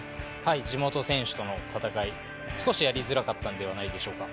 地元選手との戦い、少しやりづらかったんではないでしょうか。